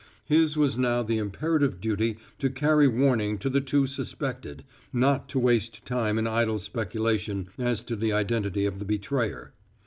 His was now the imperative duty to carry warning to the two suspected, not to waste time in idle speculation as to the identity of the betrayer.